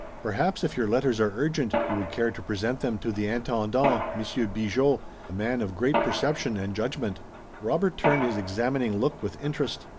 Perhaps, if your letters are urgent, you would care to present them to the Intendant, Monsieur Bigot, a man of great perception and judgment." Robert turned his examining look with interest.